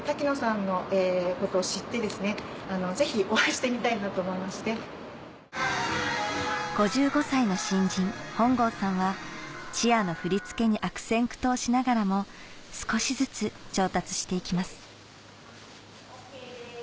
そして新人の受け入れも再開しました５５歳の新人本郷さんはチアの振り付けに悪戦苦闘しながらも少しずつ上達していきます